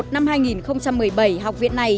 năm hai nghìn một mươi bảy học viện này